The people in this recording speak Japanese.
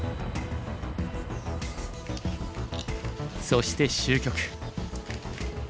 そして終局。